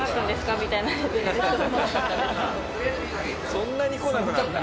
そんなに来なくなった？